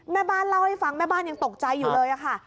แม่บ้านเล่าให้ฟังแม่บ้านยังตกใจอยู่เลยค่ะ